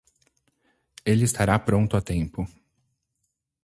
Ele estará pronto a tempo.